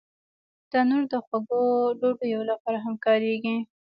تنور د خوږو ډوډیو لپاره هم کارېږي